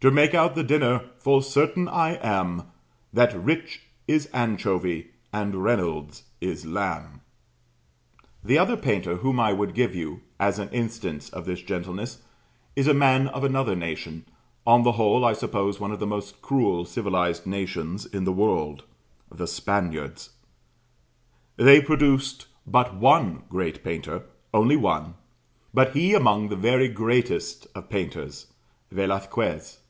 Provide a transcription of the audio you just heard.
To make out the dinner, full certain I am, That Rich is anchovy, and Reynolds is lamb." The other painter whom I would give you as an instance of this gentleness is a man of another nation, on the whole I suppose one of the most cruel civilized nations in the world the Spaniards. They produced but one great painter, only one; but he among the very greatest of painters, Velasquez.